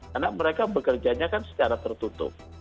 karena mereka bekerjanya kan secara tertutup